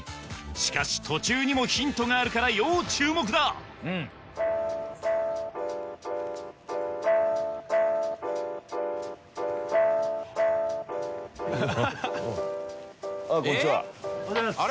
しかし途中にもヒントがあるから要注目だおはようございます。